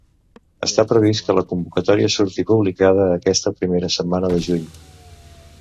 Està previst que la convocatòria surti publicada aquesta primera setmana de juny.